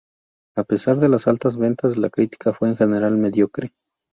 A pesar de las altas ventas, la crítica fue en general mediocre.